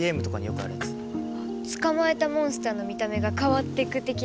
捕まえたモンスターの見た目が変わってく的な？